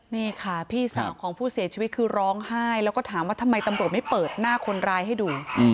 นี่ค่ะพี่สาวของผู้เสียชีวิตคือร้องไห้แล้วก็ถามว่าทำไมตำรวจไม่เปิดหน้าคนร้ายให้ดู